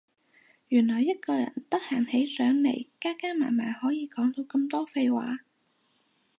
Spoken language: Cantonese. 原來一個人得閒起上嚟加加埋埋可以講到咁多廢話